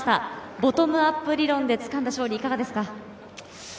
ボトムアップ理論でつかんだ勝利、いかがですか。